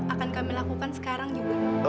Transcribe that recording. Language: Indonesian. akan kami lakukan sekarang juga